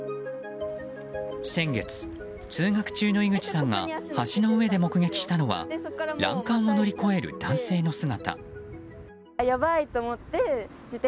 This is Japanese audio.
先月、通学中の井口さんが橋の上で目撃したのは欄干を乗り越える男性の姿。